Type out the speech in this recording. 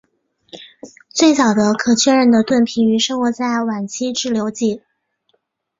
最早的可确认的盾皮鱼生活在晚期志留纪。